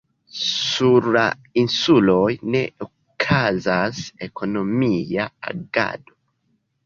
Sur la insuloj ne okazas ekonomia agado.